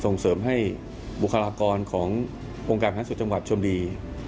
ส่งเสริมให้บุคลากรขององค์การพันสุดจังหวัดชมบุรี